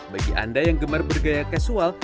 bagi anda yang gemar bergaya casual